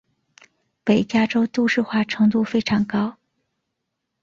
北加州都市化程度非常高。